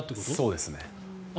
そうですね。